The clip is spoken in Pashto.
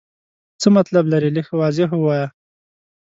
څه مطلب لرې ؟ لږ واضح ووایه.